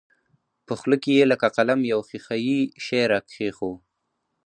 په خوله کښې يې لکه قلم يو ښيښه يي شى راکښېښوو.